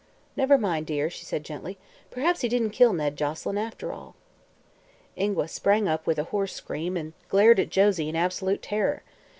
"Never mind, dear," she said gently. "Perhaps he didn't kill Ned Joselyn, after all." Ingua sprang up with a hoarse scream and glared at Josie in absolute terror.